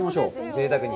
ぜいたくに。